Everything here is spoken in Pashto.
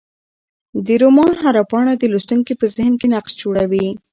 د رومان هره پاڼه د لوستونکي په ذهن کې نقش جوړوي.